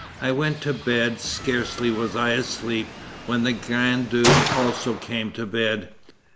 I went to bed; scarcely was I asleep, when the grand duke also came to bed.